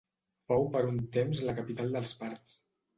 Fou per un temps la capital dels Parts.